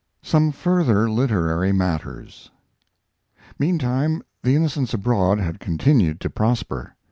SOME FURTHER LITERARY MATTERS Meantime The Innocents Abroad had continued to prosper.